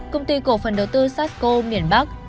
công ty cổ phần đầu tư sarsco miền bắc